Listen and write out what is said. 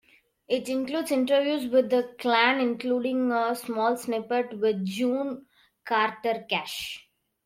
It includes interviews with the clan including a small snippet with June Carter Cash.